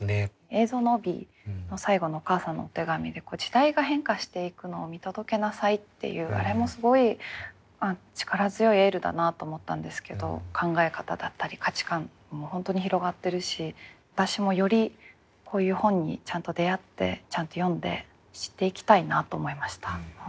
映像の帯の最後のお母さんのお手紙で「時代が変化していくのを見届けなさい」っていうあれもすごい力強いエールだなと思ったんですけど考え方だったり価値観も本当に広がってるし私もよりこういう本にちゃんと出会ってちゃんと読んで知っていきたいなと思いました。